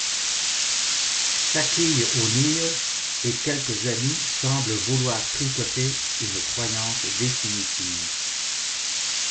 Shaquille O'Neal et quelques amis semblent vouloir tricoter une croyance définitive.